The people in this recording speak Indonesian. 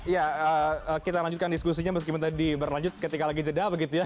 ya kita lanjutkan diskusinya meskipun tadi berlanjut ketika lagi jeda begitu ya